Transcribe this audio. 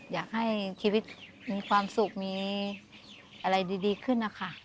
อยากให้ชีวิตมีความสุขมีอะไรดีขึ้นนะคะ